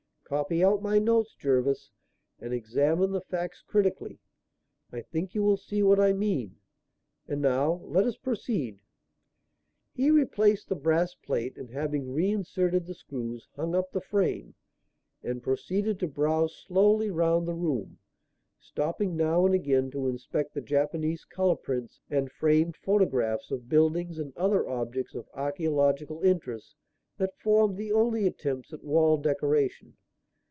Copy out my notes, Jervis, and examine the facts critically. I think you will see what I mean. And now let us proceed." He replaced the brass plate and having reinserted the screws, hung up the frame, and proceeded to browse slowly round the room, stopping now and again to inspect the Japanese colour prints and framed photographs of buildings and other objects of archaeological interest that formed the only attempts at wall decoration.